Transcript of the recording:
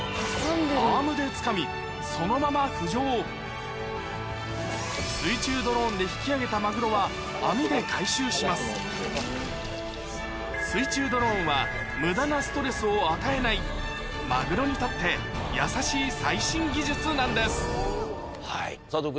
アームでつかみそのまま水中ドローンで引き揚げたマグロは水中ドローンは無駄なストレスを与えないマグロにとって優しい最新技術なんです佐藤